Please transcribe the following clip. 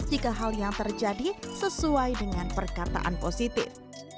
jika hal yang terjadi sesuai dengan perkataan positif